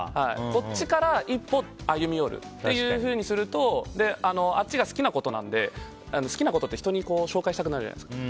こっちから一歩歩み寄るというふうにするとあっちが好きなことなんで好きなことって人に紹介したくなるじゃないですか。